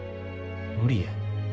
無理や。